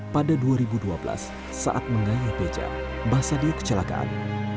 pada dua ribu dua belas saat menggayah beca bahas sadiyu kecelakaan